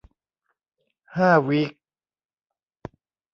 ห้าวีค